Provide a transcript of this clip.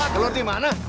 gelut di mana